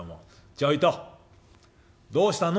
「ちょいとどうしたの？